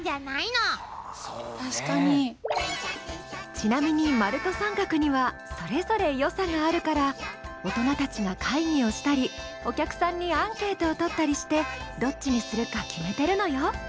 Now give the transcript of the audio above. ちなみに丸と三角にはそれぞれ良さがあるから大人たちが会議をしたりお客さんにアンケートを取ったりしてどっちにするか決めてるのよ